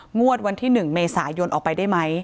งวดวันที่๑เมษายนออกไปได้ไหม